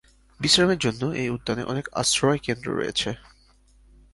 বিশ্রামের জন্য এই উদ্যানে অনেক আশ্রয়কেন্দ্র রয়েছে।